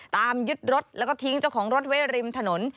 ตามยึดรถแล้วก็ทิ้งเจ้าของรถไว้ริมถนน